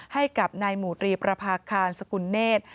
ให้กับนายหมู่ตรีประพาคารสกุลเนธ